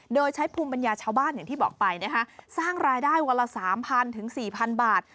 โดยใช้ภูมิปัญญาชาวบ้านอย่างที่บอกไปนะคะสร้างรายได้วันละ๓๐๐ถึง๔๐๐บาท